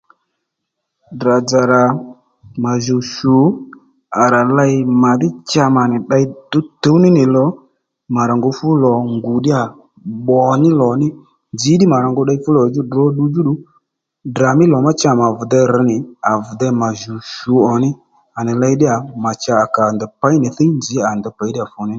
Ddrà-dzà rà mà jùw shu à rà ley màdhí cha mà nì ddey tǔwtǔw ní nì lò mà rà ngu fú lò ngù ddíyà bbò ní lò ní nzǐ ddí mà rà ngu tdey fú lò djú ddu djúddù Ddrà mí lò má cha mà vì dey rř nì à vì dey mà jùw shǔwò nì à nì ley ddíyà cha kà ndèy pěy ndèy thíy nzǐ ddíyà à nì ngu pěy fùní ní